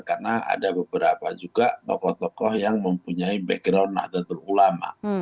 karena ada beberapa juga tokoh tokoh yang mempunyai background atau ulama